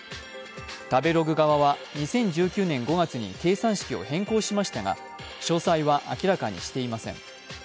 食べログ側は、２０１９年５月に計算式を変更しましたが詳細は明らかにしていません。